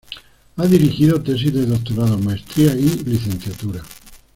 Ha dirigido tesis de doctorado, maestría y licenciatura.